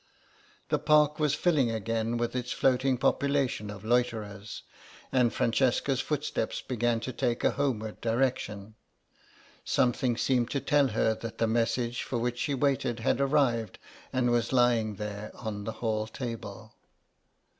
The park was filling again with its floating population of loiterers, and Francesca's footsteps began to take a homeward direction. Something seemed to tell her that the message for which she waited had arrived and was lying there on the hall table.